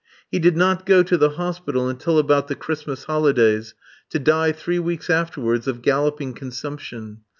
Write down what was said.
He did not go to the hospital until about the Christmas holidays, to die three weeks afterwards of galloping consumption.